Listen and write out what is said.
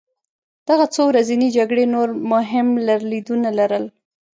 دغه څو ورځنۍ جګړې نور مهم لرلېدونه لرل.